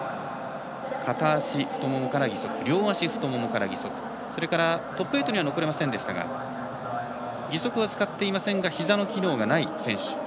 片足太ももから義足両足太ももから義足それから、トップ８には残れませんでしたが義足は使っていませんがひざの機能がない選手